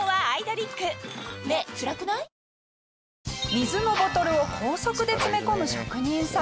水のボトルを高速で詰め込む職人さん。